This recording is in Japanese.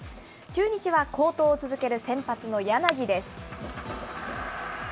中日は好投を続ける先発の柳です。